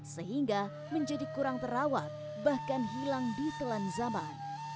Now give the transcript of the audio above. sehingga menjadi kurang terawat bahkan hilang di telan zaman